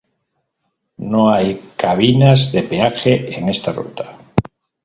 No hay cabinas de peaje en esta ruta.